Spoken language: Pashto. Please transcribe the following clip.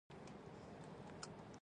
د کابل حکومت یې دروند استقبال کړی دی.